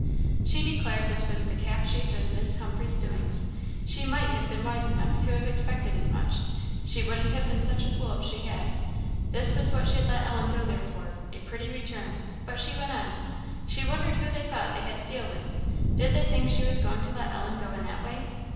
She declared this was "the cap sheaf of Miss Humphreys' doings; she might have been wise enough to have expected as much; she wouldn't have been such a fool if she had! This was what she had let Ellen go there for! a pretty return!" But she went on. "She wondered who they thought they had to deal with: did they think she was going to let Ellen go in that way?